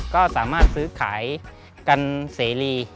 ก็สามารถซื้อขายกันเสรี